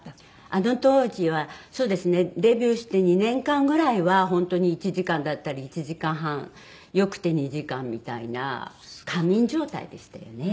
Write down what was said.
あの当時はそうですねデビューして２年間ぐらいは本当に１時間だったり１時間半良くて２時間みたいな。